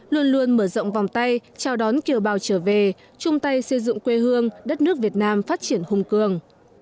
luôn luôn mở rộng vòng tay chào đón kiều bào trở về chung tay xây dựng quê hương đất nước việt nam phát triển hùng cường